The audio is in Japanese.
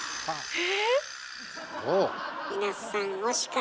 え⁉